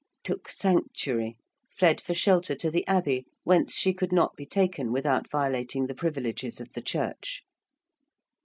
~took sanctuary~: fled for shelter to the abbey, whence she could not be taken without violating the privileges of the Church.